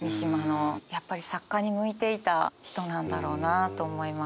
やっぱり作家に向いていた人なんだろうなと思います。